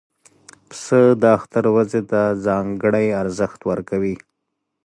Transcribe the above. پسه د اختر ورځې ته ځانګړی ارزښت ورکوي.